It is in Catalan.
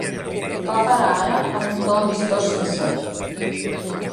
Va parar ara amb un to amistós sincer.